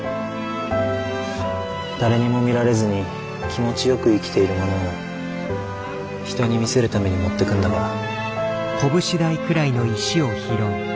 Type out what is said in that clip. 誰にも見られずに気持ちよく生きているものを人に見せるために持ってくんだから。